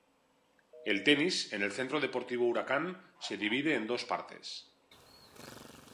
El tenis en el Centro Deportivo Huracán se divide en dos partes.